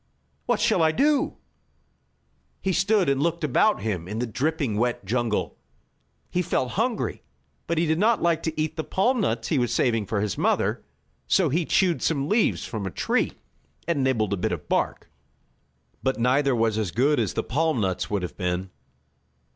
What shall I do?" He stood and looked about him in the dripping wet jungle. He felt hungry, but he did not like to eat the palm nuts he was saving for his mother, so he chewed some leaves from a tree, and nibbled a bit of bark. But neither was as good as the palm nuts would have been.